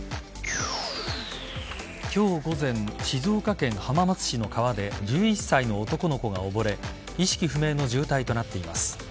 今日午前、静岡県浜松市の川で１１歳の男の子が溺れ意識不明の重体となっています。